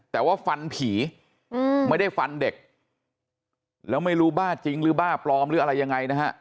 แต่ว่าฟันผีไม่ได้ฟันเด็กแล้วไม่รู้บ้าจริงหรือบ้าปลอมหรืออะไรยังไงนะฮะ